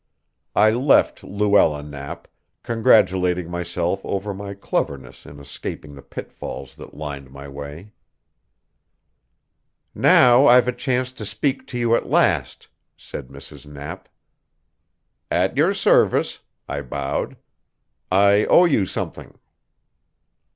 I left Luella Knapp, congratulating myself over my cleverness in escaping the pitfalls that lined my way. "Now I've a chance to speak to you at last," said Mrs. Knapp. "At your service," I bowed. "I owe you something."